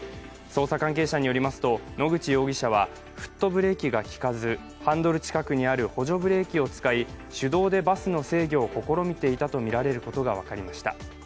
捜査関係者によりますと野口容疑者はフットブレーキがきかず、ハンドル近くにある補助ブレーキを使い、手動でバスの整備を試みていたことが分かりました。